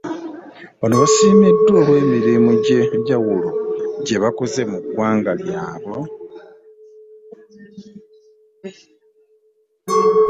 Bano baasiimiddwa olw'emirimu egy'enjawulo gy'abakoze mu kununula eggwanga lyabwe wamu n'okulikulaakulanya.